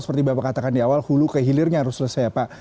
seperti bapak katakan di awal hulu kehilirnya harus selesai pak